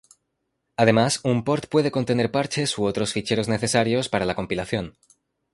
Además, un port puede contener parches u otros ficheros necesarios para la compilación.